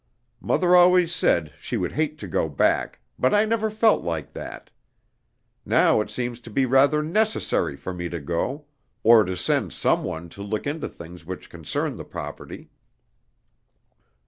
"Mother always said she would hate to go back, but I never felt like that. Now, it seems to be rather necessary for me to go or to send some one, to look into things which concern the property.